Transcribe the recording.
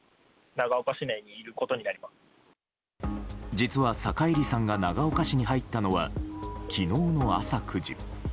実は坂入さんが長岡市に入ったのは昨日の朝９時。